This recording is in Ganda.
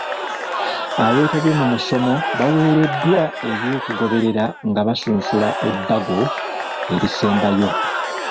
Abeetabye mu musomo baaweereddwa eby'okugoberera nga basunsula ebbago erisembayo.